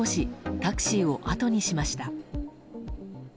タクシーをあとにしました。